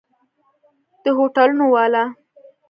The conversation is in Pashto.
د هوټلونو والا!